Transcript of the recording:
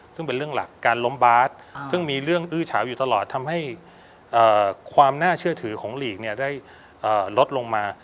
ซึ่งเป็นเรื่องหลักการล้มบาสซึ่งมีเรื่องอื้อเฉาอยู่ตลอดทำให้ความน่าเชื่อถือของลีกเนี่ยได้ลดลงมา